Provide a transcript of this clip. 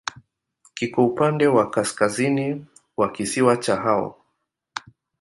Kiko upande wa kaskazini wa kisiwa cha Hao.